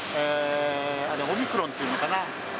オミクロンというのかな。